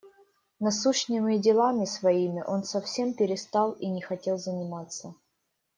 Насущными делами своими он совсем перестал и не хотел заниматься.